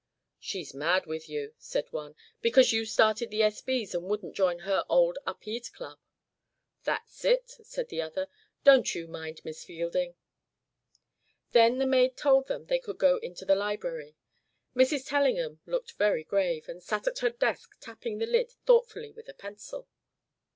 "She's mad with you," said one, "because you started the S. B.'s and wouldn't join her old Upede Club. "That's it," said the other. "Don't you mind, Miss Fielding." Then the maid told them they could go into the library. Mrs. Tellingham looked very grave, and sat at her desk tapping the lid thoughtfully with a pencil.